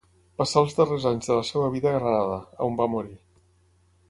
Passà els darrers anys de la seva vida a Granada, on va morir.